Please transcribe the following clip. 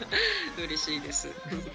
うれしいです